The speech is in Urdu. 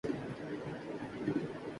میں کچھ دیر تک آپ کو جواب بھیجوں گا۔۔۔